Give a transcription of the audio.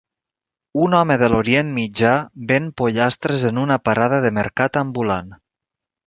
Un home de l'orient mitjà ven pollastres en una parada de mercat ambulant